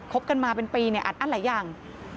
บกันมาเป็นปีเนี่ยอัดอั้นหลายอย่าง